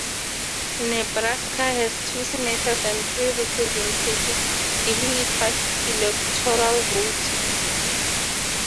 Nebraska has two senators and three representatives, giving it five electoral votes.